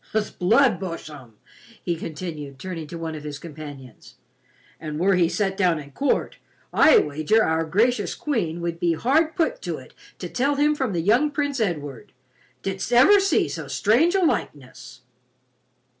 "'S blood, Beauchamp," he continued, turning to one of his companions, "an' were he set down in court, I wager our gracious Queen would he hard put to it to tell him from the young Prince Edward. Dids't ever see so strange a likeness?"